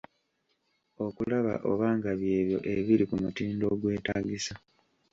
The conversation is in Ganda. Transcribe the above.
Okulaba oba nga by’ebyo ebiri ku mutindo ogwetaagisa.